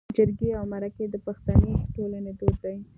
جرګې او مرکې د پښتني ټولنې دود دی